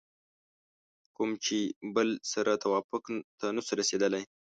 کوم کې چې بل سره توافق ته نشو رسېدلی